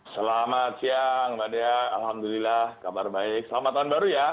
selamat siang mbak dea alhamdulillah kabar baik selamat tahun baru ya